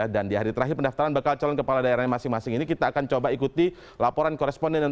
dan di hari terakhir pendaftaran bakal calon kepala daerah masing masing ini kita akan coba ikuti laporan koresponden